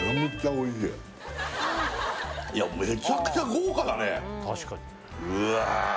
いやめちゃくちゃ豪華だねうわ